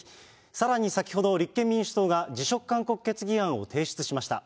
さらに先ほど、立憲民主党が辞職勧告決議案を提出しました。